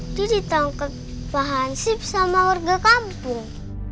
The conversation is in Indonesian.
itu ditangkap bahan sip sama warga kampung